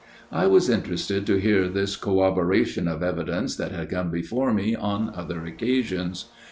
I was interested to hear this corroboration of evidence that had come before me on other occasions.